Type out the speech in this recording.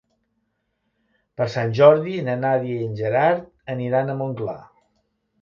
Per Sant Jordi na Nàdia i en Gerard aniran a Montclar.